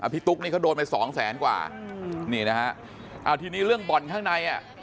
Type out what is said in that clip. ตุ๊กนี่เขาโดนไปสองแสนกว่านี่นะฮะเอาทีนี้เรื่องบ่อนข้างในอ่ะ